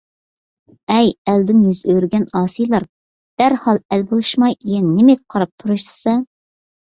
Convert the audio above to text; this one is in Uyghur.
ئەي! ئەلدىن يۈز ئۆرۈگەن ئاسىيلار، دەرھال ئەل بولۇشماي يەنە نېمىگە قاراپ تۇرۇشىسەن!